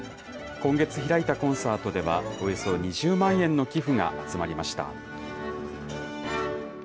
今月開いたコンサートでは、およそ２０万円の寄付が集まりました。